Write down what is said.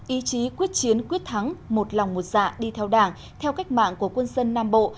ý chí quyết chiến quyết thắng một lòng một dạ đi theo đảng theo cách mạng của quân dân nam bộ